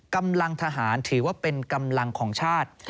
กำลังทหารถือว่าเป็นกำลังของชาติ